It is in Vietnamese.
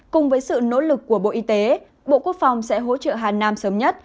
cùng với sự nỗ lực của bộ y tế bộ quốc phòng sẽ hỗ trợ hà nam sớm nhất